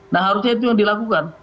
nah harusnya itu yang dilakukan